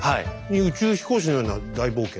に宇宙飛行士のような大冒険。